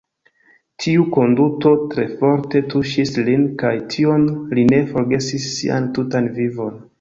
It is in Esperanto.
Tiu konduto tre forte tuŝis lin kaj tion li ne forgesis sian tutan vivon.